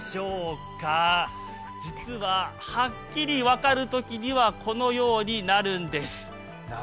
実ははっきり分かるときには、このようになるんです。